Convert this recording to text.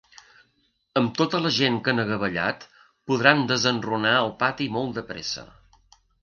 Amb tota la gent que han agabellat podran desenrunar el pati molt de pressa.